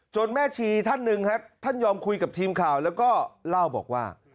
แม่ชีท่านหนึ่งครับท่านยอมคุยกับทีมข่าวแล้วก็เล่าบอกว่า